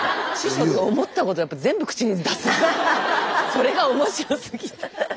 それが面白すぎて。